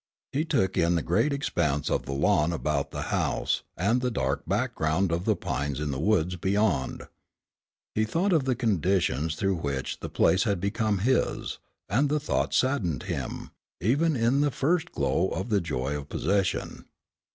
He took in the great expanse of lawn about the house, and the dark background of the pines in the woods beyond. He thought of the conditions through which the place had become his, and the thought saddened him, even in the first glow of the joy of possession.